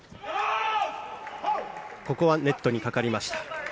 ここはネットにかかりました。